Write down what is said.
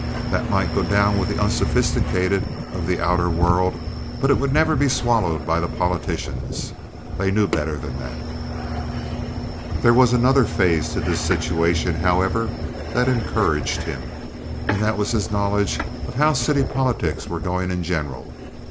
That might go down with the unsophisticated of the outer world, but it would never be swallowed by the politicians. They knew better than that. There was another phase to this situation, however, that encouraged him, and that was his knowledge of how city politics were going in general.